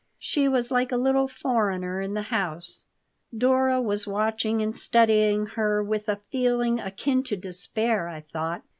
She was like a little foreigner in the house Dora was watching and studying her with a feeling akin to despair, I thought.